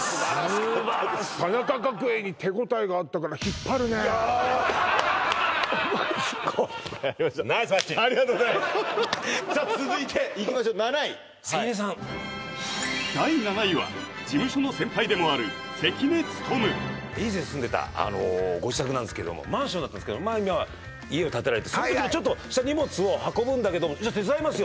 素晴らしいいやナイスパッチンありがとうございますさあ続いていきましょう７位関根さん第７位は事務所の先輩でもある関根勤以前住んでたご自宅なんですけどもマンションだったんですけど今は家を建てられてそのときにちょっとした荷物を運ぶんだけどもじゃあ手伝います